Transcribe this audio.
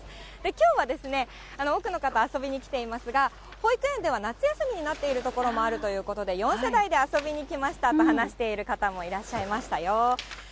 きょうはですね、多くの方、遊びに来ていますが、保育園では夏休みになっている所もあるということで、４世代で遊びに来ましたと話している方もいらっしゃいましたよ。